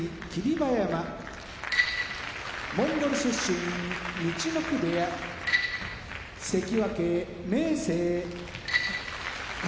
馬山モンゴル出身陸奥部屋関脇・明生鹿児島県出身